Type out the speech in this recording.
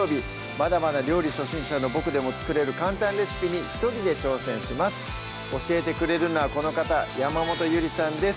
まだまだ料理初心者のボクでも作れる簡単レシピに一人で挑戦します教えてくれるのはこの方山本ゆりさんです